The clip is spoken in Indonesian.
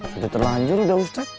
sudah terlanjur udah ustadz